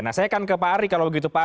nah saya kan ke pari kalau begitu